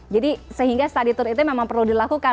jadi sehingga studi tour itu memang perlu dilakukan